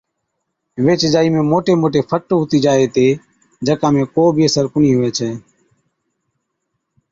ويهچ جائِي ۾ موٽي موٽي فٽ هُتِي جائي هِتي، جڪا ۾ ڪو بِي اثر ڪونهِي هُوَي ڇَي۔